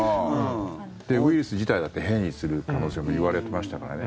ウイルス自体だって変異する可能性もいわれてましたからね。